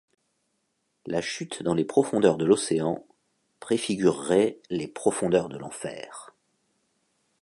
La chute dans les profondeurs de l'océan préfigurerait les profondeurs de l'enfer.